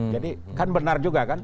jadi kan benar juga kan